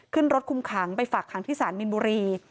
ขึ้นรถคุมขังไปฝากขังที่ศาลมินบุรี